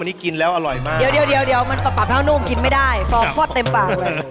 อันนี้กินแล้วอร่อยมากเดี๋ยวเดี๋ยวเดี๋ยวเดี๋ยวมันปรับฮะนุ่มกินไม่ได้เพราะฟอดเต็มปากเลย